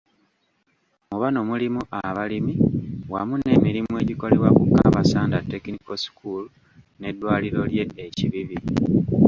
Mu bano mulimu abalimi wamu n'emirimu egikolebwa ku Kabasanda Technical School, n'eddwaliro lye e Kibibi.